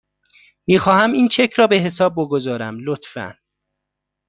میخواهم این چک را به حساب بگذارم، لطفاً.